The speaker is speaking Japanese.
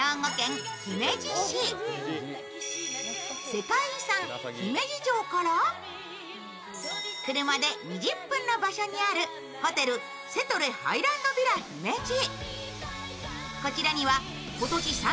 世界遺産・姫路城から車で２０分の場所にあるホテルセトレハイランドヴィラ姫路。